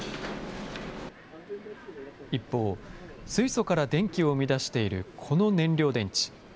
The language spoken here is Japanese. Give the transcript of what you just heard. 一方、水素から電気を生み出しているこの燃料電池。